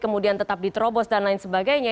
kemudian tetap diterobos dan lain sebagainya